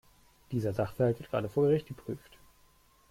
Dieser Sachverhalt wird gerade vor Gericht geprüft.